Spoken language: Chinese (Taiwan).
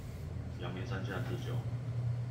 陽明山下智久